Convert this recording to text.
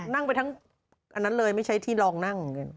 นั่งไปทั้งอันนั้นเลยไม่ใช้ที่ลองนั่ง